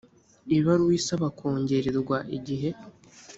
ibaruwa isaba kongererwa igihe